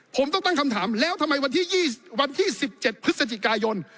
ผมต้องตั้งคำถามแล้วทำไมวันที่๑๗พฤศจิกายน